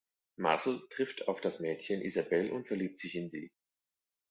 Marcel trifft auf das Mädchen Isabelle und verliebt sich in sie.